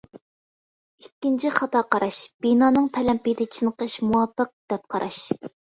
ئىككىنچى خاتا قاراش: بىنانىڭ پەلەمپىيىدە چېنىقىش مۇۋاپىق، دەپ قاراش.